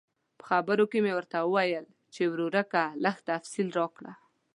په خبرو کې مې ورته وویل چې ورورکه لږ تفصیل راکړه.